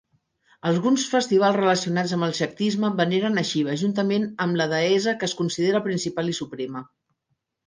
Alguns festivals relacionats amb el Xactisme veneren a Shiva, juntament amb la deessa que es considera principal i suprema.